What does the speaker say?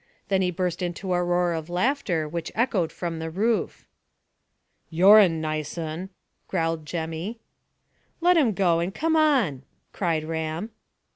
Then he burst into a roar of laughter which echoed from the roof. "You're a nice un," growled Jemmy. "Let him go, and come on," cried Ram.